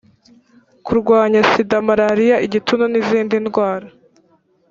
kurwanya sida malariya igituntu n izindi ndwara